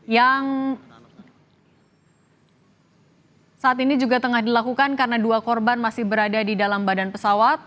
yang saat ini juga tengah dilakukan karena dua korban masih berada di dalam badan pesawat